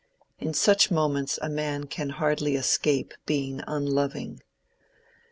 In such moments a man can hardly escape being unloving.